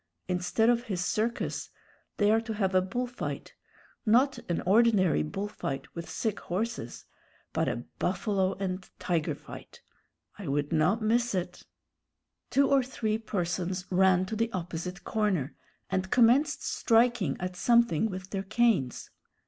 Instead of his circus, they are to have a bull fight not an ordinary bull fight with sick horses, but a buffalo and tiger fight. I would not miss it " Two or three persons ran to the opposite corner, and commenced striking at something with their canes.